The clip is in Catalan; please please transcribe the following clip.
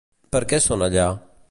Per què són allà?